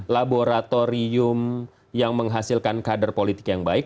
laboratorium yang menghasilkan kader politik yang baik